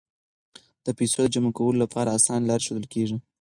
د پیسو د جمع کولو لپاره اسانه لارې ښودل کیږي.